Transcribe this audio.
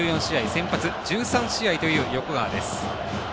先発１３試合という横川です。